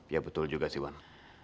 iya betul juga siwan